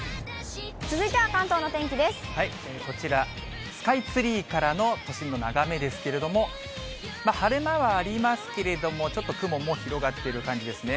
こちら、スカイツリーからの都心の眺めですけれども、晴れ間はありますけれども、ちょっと雲も広がっている感じですね。